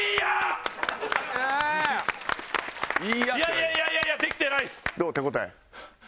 いやいやいやいやできてないです！